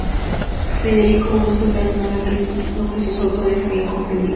Federico Augusto terminó lo que sus tutores habían emprendido.